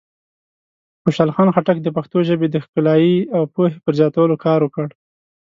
خوشحال خان خټک د پښتو ژبې د ښکلایۍ او پوهې پر زیاتولو کار وکړ.